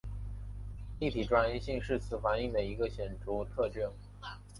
立体专一性是此反应的一个显着特征。